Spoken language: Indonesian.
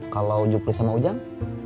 kalau jupri sama ujang